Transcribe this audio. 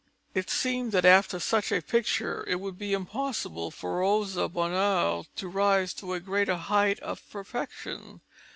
It seemed that after such a picture, it would be impossible for Rosa Bonheur to rise to a greater height of perfection.